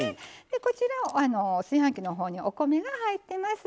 こちら炊飯器の方にお米が入ってます。